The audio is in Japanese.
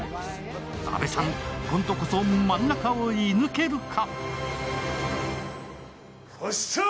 阿部さん、今度こそ真ん中を射抜けるか。